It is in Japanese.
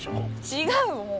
違うもう。